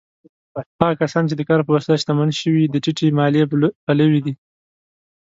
هغه کسان چې د کار په وسیله شتمن شوي، د ټیټې مالیې پلوي دي.